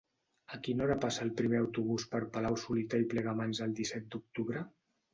A quina hora passa el primer autobús per Palau-solità i Plegamans el disset d'octubre?